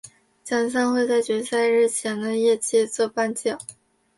奖项会在决赛日前的夜祭作颁奖。